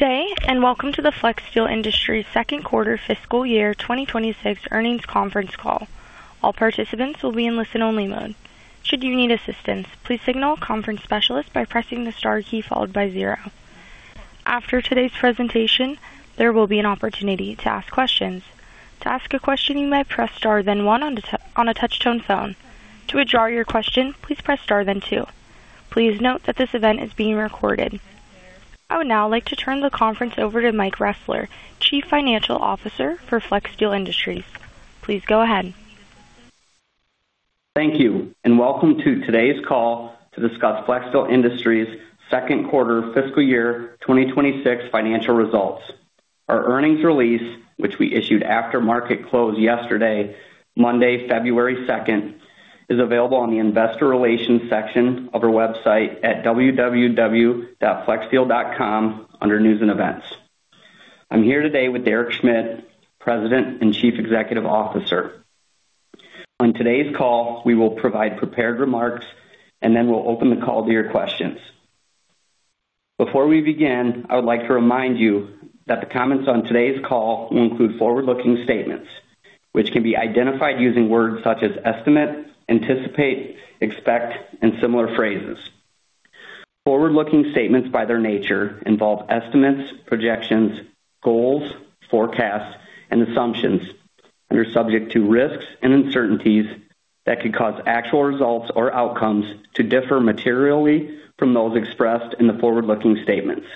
Good day, and welcome to the Flexsteel Industries Second Quarter Fiscal Year 2026 Earnings Conference Call. All participants will be in listen-only mode. Should you need assistance, please signal a conference specialist by pressing the star key followed by zero. After today's presentation, there will be an opportunity to ask questions. To ask a question, you may press Star then One on a touch-tone phone. To withdraw your question, please press Star then Two. Please note that this event is being recorded. I would now like to turn the conference over to Mike Ressler, Chief Financial Officer for Flexsteel Industries. Please go ahead. Thank you, and welcome to today's call to discuss Flexsteel Industries' Second Quarter Fiscal Year 2026 Financial Results. Our earnings release, which we issued after market close yesterday, Monday, February 2nd, is available on the Investor Relations section of our website at www.flexsteel.com under News and Events. I'm here today with Derek Schmidt, President and Chief Executive Officer. On today's call, we will provide prepared remarks, and then we'll open the call to your questions. Before we begin, I would like to remind you that the comments on today's call will include forward-looking statements, which can be identified using words such as estimate, anticipate, expect, and similar phrases. Forward-looking statements, by their nature, involve estimates, projections, goals, forecasts, and assumptions, and are subject to risks and uncertainties that could cause actual results or outcomes to differ materially from those expressed in the forward-looking statements.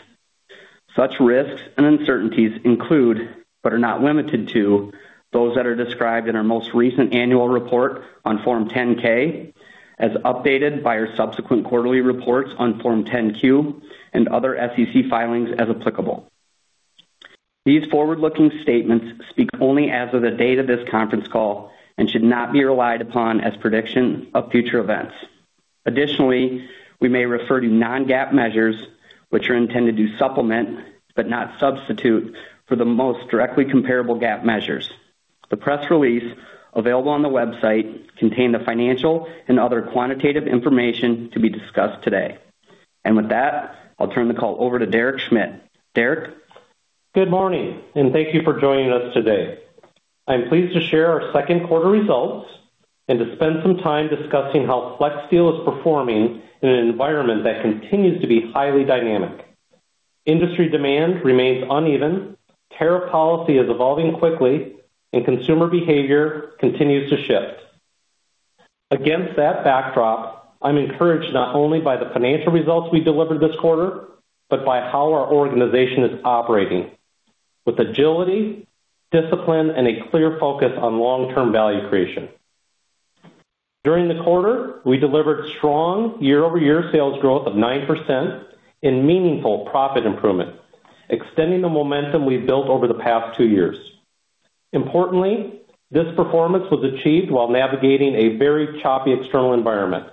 Such risks and uncertainties include, but are not limited to, those that are described in our most recent annual report on Form 10-K, as updated by our subsequent quarterly reports on Form 10-Q and other SEC filings, as applicable. These forward-looking statements speak only as of the date of this conference call and should not be relied upon as prediction of future events. Additionally, we may refer to non-GAAP measures, which are intended to supplement, but not substitute, for the most directly comparable GAAP measures. The press release available on the website contain the financial and other quantitative information to be discussed today. With that, I'll turn the call over to Derek Schmidt. Derek? Good morning, and thank you for joining us today. I'm pleased to share our second quarter results and to spend some time discussing how Flexsteel is performing in an environment that continues to be highly dynamic. Industry demand remains uneven, tariff policy is evolving quickly, and consumer behavior continues to shift. Against that backdrop, I'm encouraged not only by the financial results we delivered this quarter, but by how our organization is operating, with agility, discipline, and a clear focus on long-term value creation. During the quarter, we delivered strong year-over-year sales growth of 9% and meaningful profit improvement, extending the momentum we've built over the past 2 years. Importantly, this performance was achieved while navigating a very choppy external environment,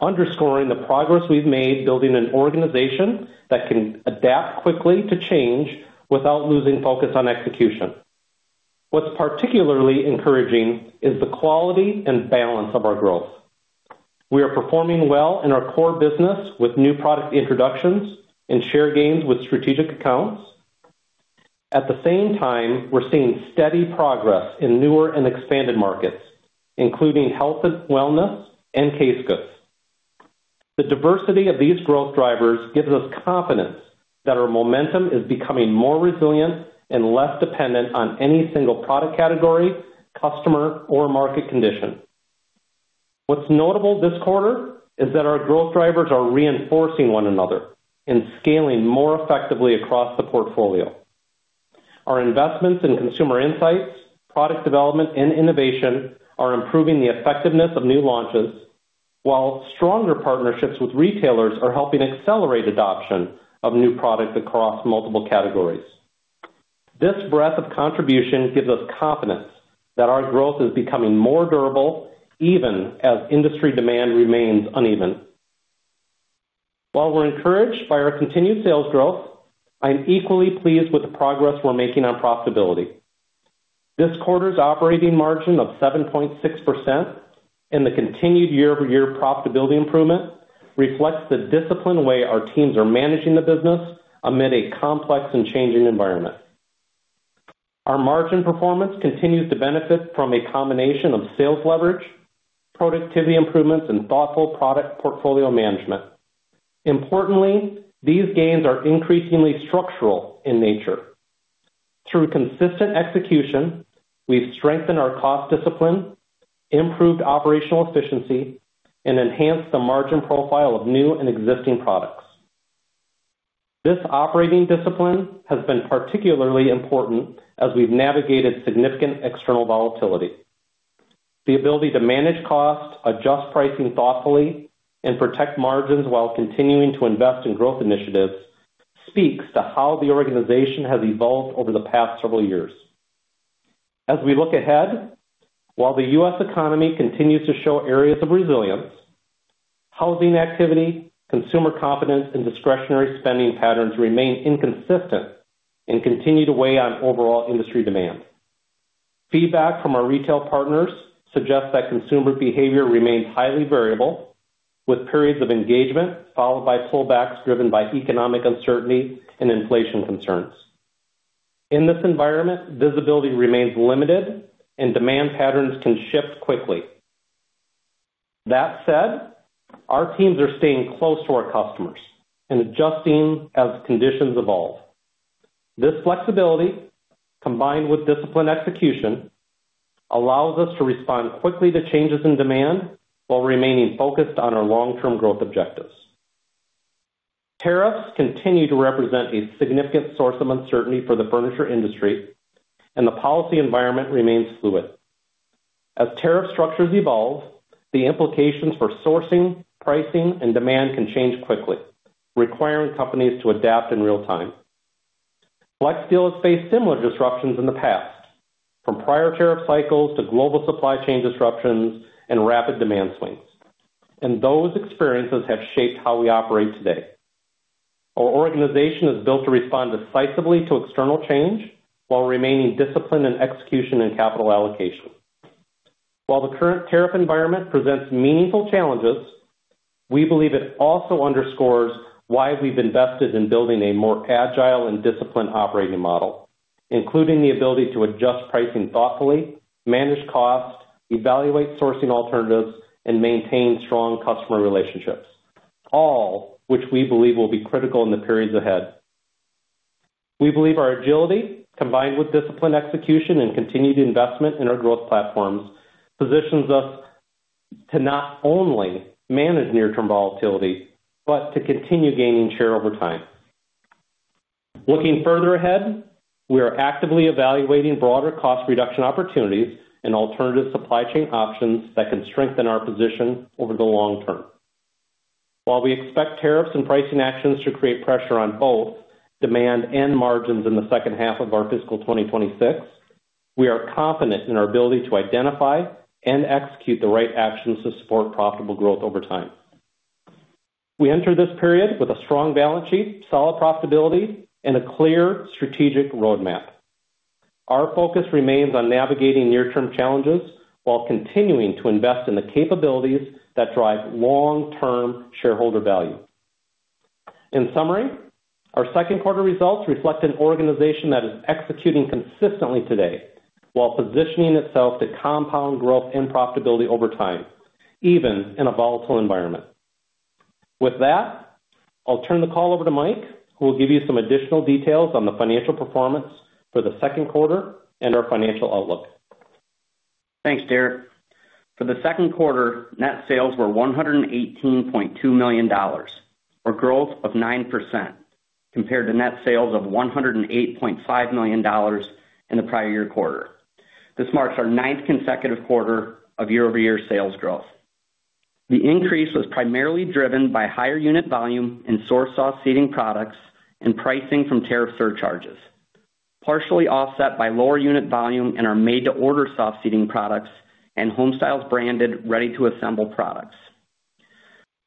underscoring the progress we've made building an organization that can adapt quickly to change without losing focus on execution. What's particularly encouraging is the quality and balance of our growth. We are performing well in our core business with new product introductions and share gains with strategic accounts. At the same time, we're seeing steady progress in newer and expanded markets, including health and wellness and case goods. The diversity of these growth drivers gives us confidence that our momentum is becoming more resilient and less dependent on any single product category, customer, or market condition. What's notable this quarter is that our growth drivers are reinforcing one another and scaling more effectively across the portfolio. Our investments in consumer insights, product development, and innovation are improving the effectiveness of new launches, while stronger partnerships with retailers are helping accelerate adoption of new products across multiple categories. This breadth of contribution gives us confidence that our growth is becoming more durable, even as industry demand remains uneven. While we're encouraged by our continued sales growth, I'm equally pleased with the progress we're making on profitability. This quarter's operating margin of 7.6% and the continued year-over-year profitability improvement reflects the disciplined way our teams are managing the business amid a complex and changing environment. Our margin performance continues to benefit from a combination of sales leverage, productivity improvements, and thoughtful product portfolio management. Importantly, these gains are increasingly structural in nature. Through consistent execution, we've strengthened our cost discipline, improved operational efficiency, and enhanced the margin profile of new and existing products. This operating discipline has been particularly important as we've navigated significant external volatility. The ability to manage costs, adjust pricing thoughtfully, and protect margins while continuing to invest in growth initiatives speaks to how the organization has evolved over the past several years. As we look ahead, while the U.S. economy continues to show areas of resilience, housing activity, consumer confidence, and discretionary spending patterns remain inconsistent and continue to weigh on overall industry demand. Feedback from our retail partners suggests that consumer behavior remains highly variable, with periods of engagement followed by pullbacks driven by economic uncertainty and inflation concerns. In this environment, visibility remains limited and demand patterns can shift quickly. That said, our teams are staying close to our customers and adjusting as conditions evolve. This flexibility, combined with disciplined execution, allows us to respond quickly to changes in demand while remaining focused on our long-term growth objectives. Tariffs continue to represent a significant source of uncertainty for the furniture industry, and the policy environment remains fluid. As tariff structures evolve, the implications for sourcing, pricing, and demand can change quickly, requiring companies to adapt in real time. Flexsteel has faced similar disruptions in the past, from prior tariff cycles to global supply chain disruptions and rapid demand swings, and those experiences have shaped how we operate today. Our organization is built to respond decisively to external change while remaining disciplined in execution and capital allocation. While the current tariff environment presents meaningful challenges, we believe it also underscores why we've invested in building a more agile and disciplined operating model, including the ability to adjust pricing thoughtfully, manage costs, evaluate sourcing alternatives, and maintain strong customer relationships, all which we believe will be critical in the periods ahead. We believe our agility, combined with disciplined execution and continued investment in our growth platforms, positions us to not only manage near-term volatility, but to continue gaining share over time. Looking further ahead, we are actively evaluating broader cost reduction opportunities and alternative supply chain options that can strengthen our position over the long term. While we expect tariffs and pricing actions to create pressure on both demand and margins in the second half of our fiscal 2026, we are confident in our ability to identify and execute the right actions to support profitable growth over time. We enter this period with a strong balance sheet, solid profitability, and a clear strategic roadmap. Our focus remains on navigating near-term challenges while continuing to invest in the capabilities that drive long-term shareholder value. In summary, our second quarter results reflect an organization that is executing consistently today while positioning itself to compound growth and profitability over time, even in a volatile environment. With that, I'll turn the call over to Mike, who will give you some additional details on the financial performance for the second quarter and our financial outlook. Thanks, Derek. For the second quarter, net sales were $118.2 million, or growth of 9% compared to net sales of $108.5 million in the prior year quarter. This marks our ninth consecutive quarter of year-over-year sales growth. The increase was primarily driven by higher unit volume in sourced soft seating products and pricing from tariff surcharges, partially offset by lower unit volume in our made-to-order soft seating products and Homestyles branded ready-to-assemble products.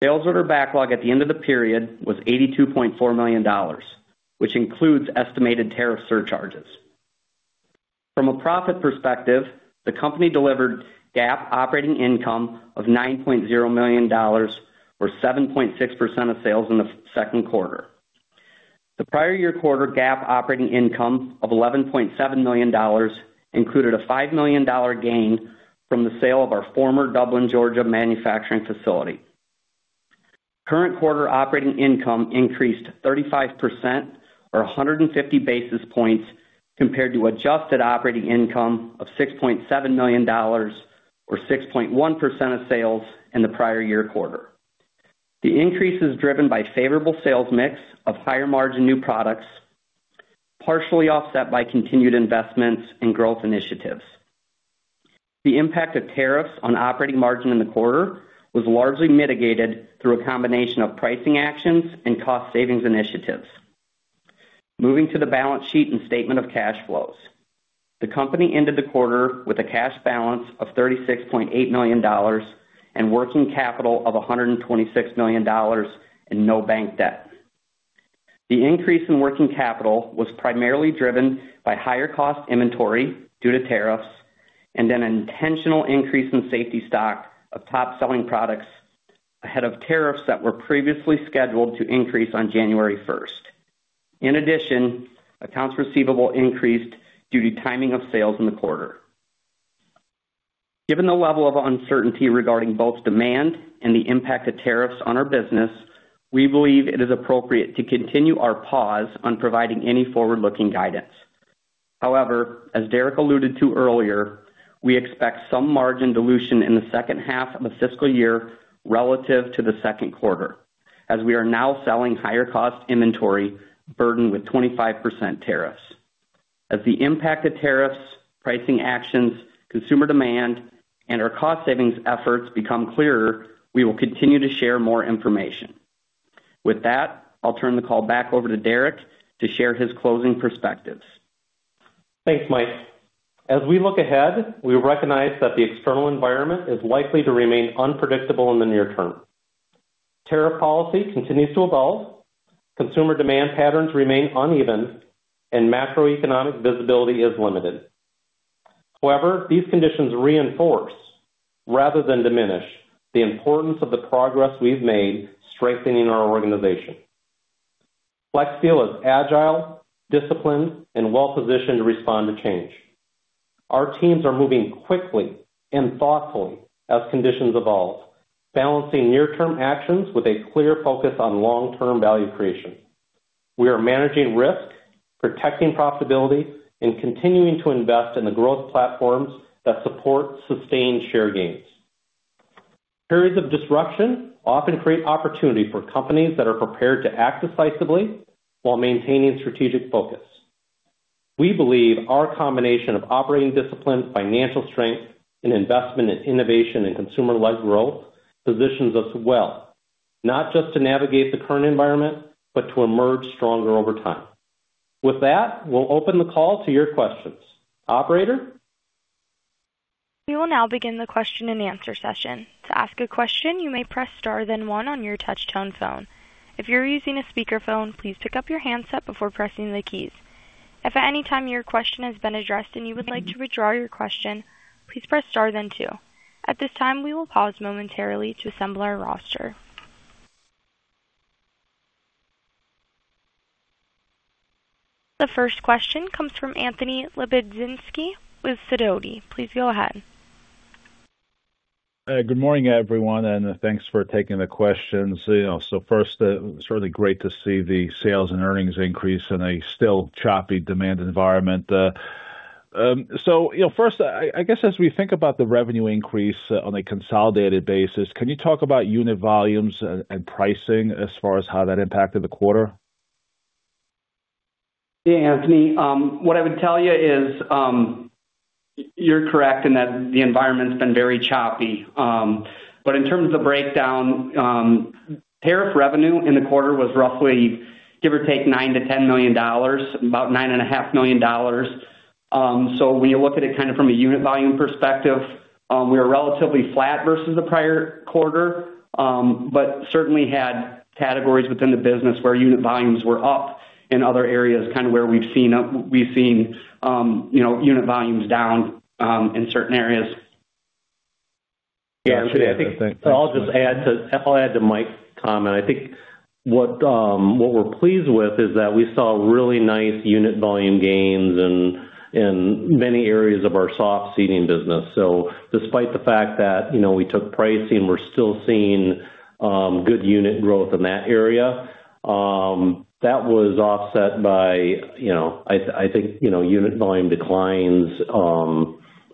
Sales order backlog at the end of the period was $82.4 million, which includes estimated tariff surcharges. From a profit perspective, the company delivered GAAP operating income of $9.0 million, or 7.6% of sales in the second quarter. The prior year quarter GAAP operating income of $11.7 million included a $5 million gain from the sale of our former Dublin, Georgia, manufacturing facility. Current quarter operating income increased 35% or 150 basis points compared to adjusted operating income of $6.7 million or 6.1% of sales in the prior year quarter. The increase is driven by favorable sales mix of higher margin new products, partially offset by continued investments in growth initiatives. The impact of tariffs on operating margin in the quarter was largely mitigated through a combination of pricing actions and cost savings initiatives. Moving to the balance sheet and statement of cash flows. The company ended the quarter with a cash balance of $36.8 million and working capital of $126 million and no bank debt. The increase in working capital was primarily driven by higher cost inventory due to tariffs and an intentional increase in safety stock of top-selling products ahead of tariffs that were previously scheduled to increase on January 1. In addition, accounts receivable increased due to timing of sales in the quarter. Given the level of uncertainty regarding both demand and the impact of tariffs on our business, we believe it is appropriate to continue our pause on providing any forward-looking guidance. However, as Derek alluded to earlier, we expect some margin dilution in the second half of the fiscal year relative to the second quarter, as we are now selling higher cost inventory burdened with 25% tariffs. As the impact of tariffs, pricing actions, consumer demand, and our cost savings efforts become clearer, we will continue to share more information. With that, I'll turn the call back over to Derek to share his closing perspectives. Thanks, Mike. As we look ahead, we recognize that the external environment is likely to remain unpredictable in the near term....Tariff policy continues to evolve, consumer demand patterns remain uneven, and macroeconomic visibility is limited. However, these conditions reinforce, rather than diminish, the importance of the progress we've made strengthening our organization. Flexsteel is agile, disciplined, and well-positioned to respond to change. Our teams are moving quickly and thoughtfully as conditions evolve, balancing near-term actions with a clear focus on long-term value creation. We are managing risk, protecting profitability, and continuing to invest in the growth platforms that support sustained share gains. Periods of disruption often create opportunity for companies that are prepared to act decisively while maintaining strategic focus. We believe our combination of operating discipline, financial strength, and investment in innovation and consumer-led growth positions us well, not just to navigate the current environment, but to emerge stronger over time. With that, we'll open the call to your questions. Operator? We will now begin the question-and-answer session. To ask a question, you may press star then one on your touchtone phone. If you're using a speakerphone, please pick up your handset before pressing the keys. If at any time your question has been addressed and you would like to withdraw your question, please press star then two. At this time, we will pause momentarily to assemble our roster. The first question comes from Anthony Lebiedzinski with Sidoti. Please go ahead. Good morning, everyone, and thanks for taking the questions. You know, so first, it's really great to see the sales and earnings increase in a still choppy demand environment. So you know, first, I guess, as we think about the revenue increase on a consolidated basis, can you talk about unit volumes and pricing as far as how that impacted the quarter? Yeah, Anthony, what I would tell you is, you're correct in that the environment's been very choppy. But in terms of the breakdown, tariff revenue in the quarter was roughly, give or take, $9-$10 million, about $9.5 million. So when you look at it kind of from a unit volume perspective, we are relatively flat versus the prior quarter, but certainly had categories within the business where unit volumes were up in other areas, kind of where we've seen unit volumes down, you know, in certain areas. Yeah, I think I'll just add to Mike's comment. I think what we're pleased with is that we saw really nice unit volume gains in many areas of our soft seating business. So despite the fact that, you know, we took pricing, we're still seeing good unit growth in that area. That was offset by, you know, I think, you know, unit volume declines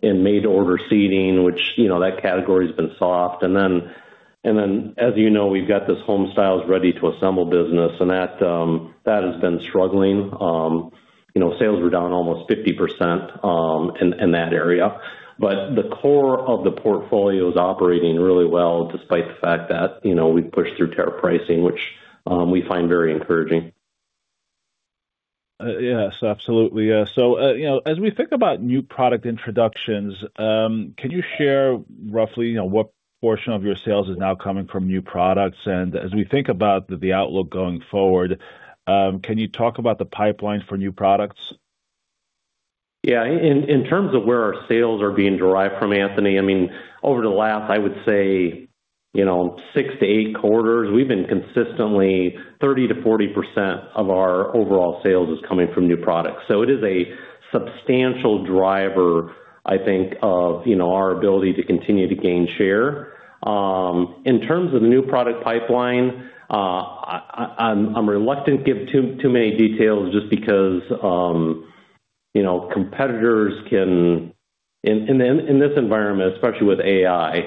in made-to-order seating, which, you know, that category's been soft. And then, as you know, we've got this Homestyles ready-to-assemble business, and that has been struggling. You know, sales were down almost 50% in that area. But the core of the portfolio is operating really well, despite the fact that, you know, we pushed through tariff pricing, which we find very encouraging. Yes, absolutely. So, you know, as we think about new product introductions, can you share roughly, you know, what portion of your sales is now coming from new products? And as we think about the outlook going forward, can you talk about the pipeline for new products? Yeah, in terms of where our sales are being derived from, Anthony, I mean, over the last, I would say, you know, 6-8 quarters, we've been consistently 30%-40% of our overall sales is coming from new products. So it is a substantial driver, I think of, you know, our ability to continue to gain share. In terms of the new product pipeline, I'm reluctant to give too many details just because, you know, competitors can, in this environment, especially with AI,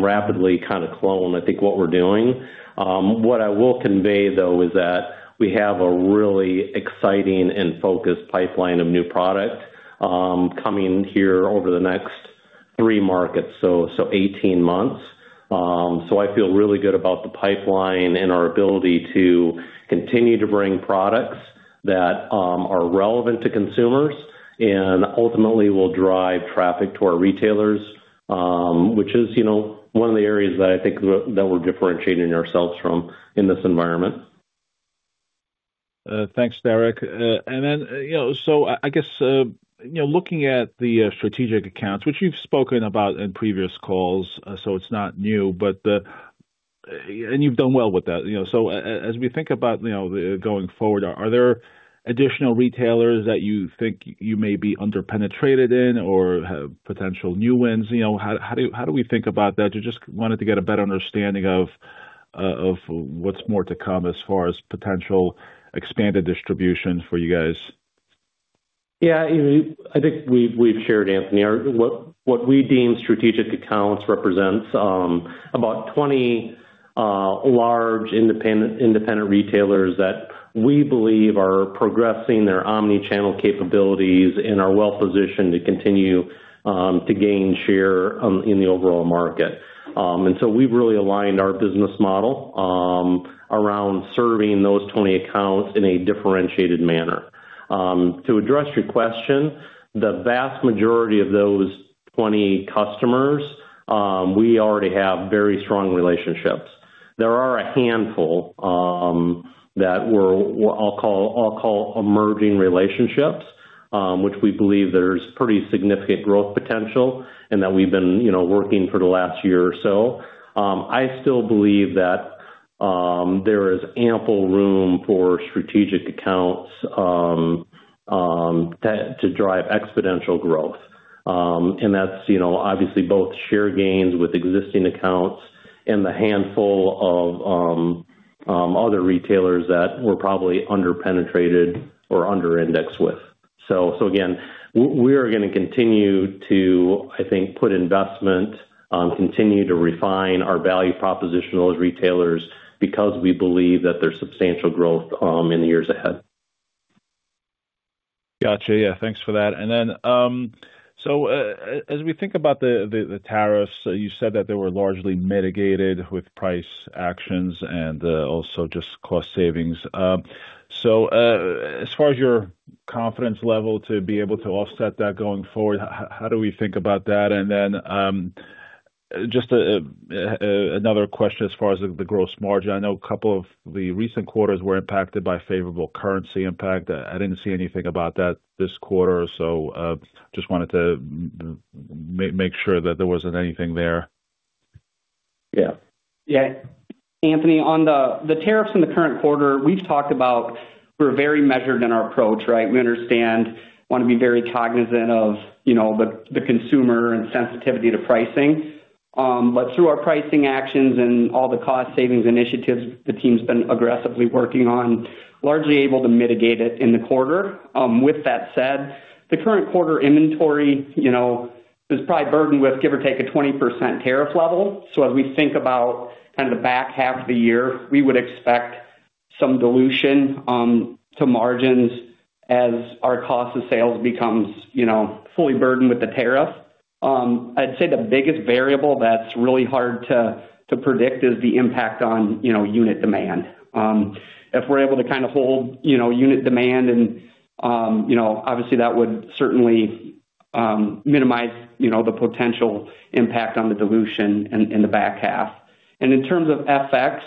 rapidly kind of clone, I think, what we're doing. What I will convey, though, is that we have a really exciting and focused pipeline of new product coming here over the next 3 markets, so 18 months. So I feel really good about the pipeline and our ability to continue to bring products that are relevant to consumers and ultimately will drive traffic to our retailers, which is, you know, one of the areas that I think that we're differentiating ourselves from in this environment. Thanks, Derek. And then, you know, so I, I guess, you know, looking at the strategic accounts, which you've spoken about in previous calls, so it's not new, but, and you've done well with that. You know, so as we think about, you know, going forward, are there additional retailers that you think you may be underpenetrated in or have potential new wins? You know, how do we think about that? Just wanted to get a better understanding of, of what's more to come as far as potential expanded distribution for you guys. Yeah, you know, I think we've shared, Anthony. What we deem strategic accounts represents about 20 large independent retailers that we believe are progressing their Omni-channel capabilities and are well positioned to continue to gain share in the overall market. And so we've really aligned our business model around serving those 20 accounts in a differentiated manner.... To address your question, the vast majority of those 20 customers, we already have very strong relationships. There are a handful that we're, I'll call emerging relationships, which we believe there's pretty significant growth potential and that we've been, you know, working for the last year or so. I still believe that there is ample room for strategic accounts to drive exponential growth. And that's, you know, obviously both share gains with existing accounts and the handful of other retailers that we're probably under penetrated or under indexed with. So again, we are gonna continue to, I think, put investment, continue to refine our value proposition to those retailers because we believe that there's substantial growth in the years ahead. Got you. Yeah, thanks for that. And then, as we think about the tariffs, you said that they were largely mitigated with price actions and also just cost savings. So, as far as your confidence level, to be able to offset that going forward, how do we think about that? And then, just another question as far as the gross margin. I know a couple of the recent quarters were impacted by favorable currency impact. I didn't see anything about that this quarter, so just wanted to make sure that there wasn't anything there. Yeah. Yeah. Anthony, on the tariffs in the current quarter, we've talked about we're very measured in our approach, right? We understand, wanna be very cognizant of, you know, the consumer and sensitivity to pricing. But through our pricing actions and all the cost savings initiatives, the team's been aggressively working on, largely able to mitigate it in the quarter. With that said, the current quarter inventory, you know, is probably burdened with give or take, a 20% tariff level. So as we think about kind of the back half of the year, we would expect some dilution to margins as our cost of sales becomes, you know, fully burdened with the tariff. I'd say the biggest variable that's really hard to predict is the impact on, you know, unit demand. If we're able to kind of hold, you know, unit demand and, you know, obviously that would certainly minimize, you know, the potential impact on the dilution in, in the back half. And in terms of FX,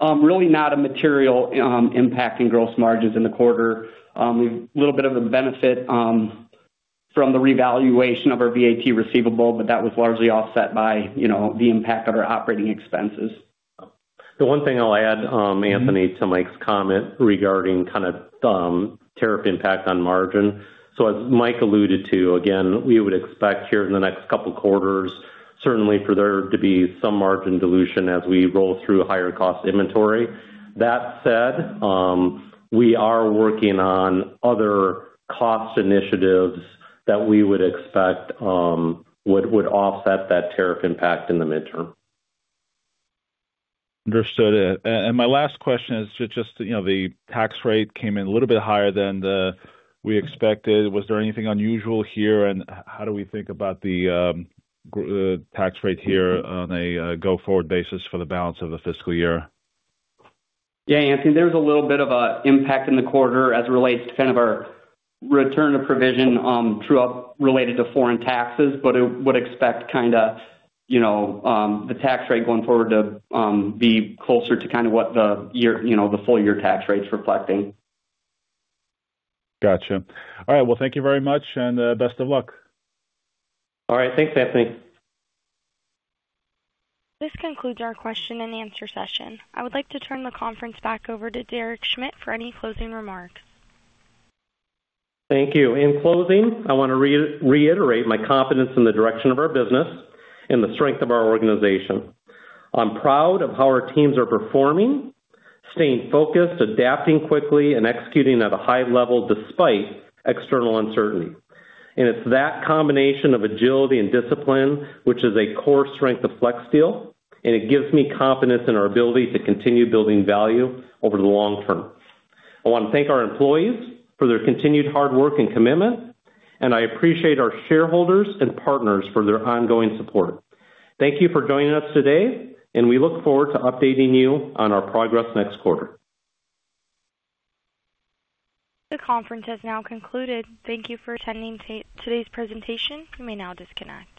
really not a material impacting gross margins in the quarter. We've a little bit of a benefit from the revaluation of our VAT receivable, but that was largely offset by, you know, the impact of our operating expenses. The one thing I'll add, Anthony, to Mike's comment regarding kind of, tariff impact on margin. So as Mike alluded to, again, we would expect here in the next couple quarters, certainly for there to be some margin dilution as we roll through higher cost inventory. That said, we are working on other cost initiatives that we would expect would offset that tariff impact in the midterm. Understood. And my last question is just, you know, the tax rate came in a little bit higher than we expected. Was there anything unusual here, and how do we think about the tax rate here on a go-forward basis for the balance of the fiscal year? Yeah, Anthony, there was a little bit of an impact in the quarter as it relates to kind of our return to provision true-up related to foreign taxes, but it would expect kinda, you know, the tax rate going forward to be closer to kind of what the year—you know, the full year tax rate's reflecting. Gotcha. All right, well, thank you very much, and best of luck. All right. Thanks, Anthony. This concludes our question and answer session. I would like to turn the conference back over to Derek Schmidt for any closing remarks. Thank you. In closing, I want to re-reiterate my confidence in the direction of our business and the strength of our organization. I'm proud of how our teams are performing, staying focused, adapting quickly, and executing at a high level despite external uncertainty. And it's that combination of agility and discipline, which is a core strength of Flexsteel, and it gives me confidence in our ability to continue building value over the long term. I want to thank our employees for their continued hard work and commitment, and I appreciate our shareholders and partners for their ongoing support. Thank you for joining us today, and we look forward to updating you on our progress next quarter. The conference has now concluded. Thank you for attending today's presentation. You may now disconnect.